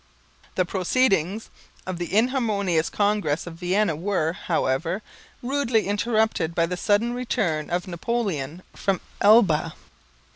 The proceedings of the inharmonious Congress of Vienna were, however, rudely interrupted by the sudden return of Napoleon from Elba.